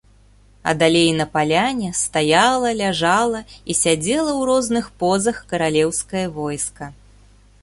А далей на паляне стаяла, ляжала і сядзела ў розных позах каралеўскае войска.